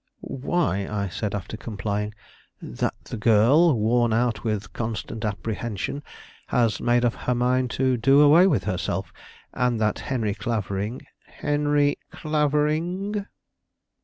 "Why," said I, after complying, "that the girl, worn out with constant apprehension, has made up her mind to do away with herself, and that Henry Clavering " "Henry Clavering?"